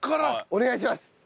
お願いします。